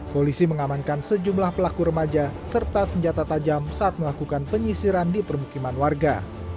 polisi mengamankan sejumlah pelaku remaja serta senjata tajam saat melakukan penyisiran di permukiman warga